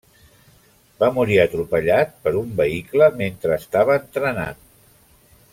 Va morir atropellat per un vehicle mentre estava entrenant.